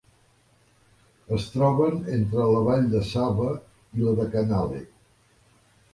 Es troben entre la vall de Sava i la de Canale.